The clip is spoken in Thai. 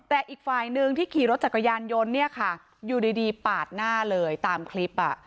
แต่อีกฝ่ายหนึ่งที่ขี่รถจักรยานยนต์เนี่ยค่ะอยู่ดีปาดหน้าเลยตามคลิป